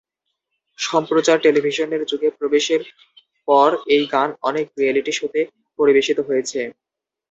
সম্প্রচার টেলিভিশনের যুগে প্রবেশের পর এই গান অনেক রিয়েলিটি শোতে পরিবেশিত হয়েছে।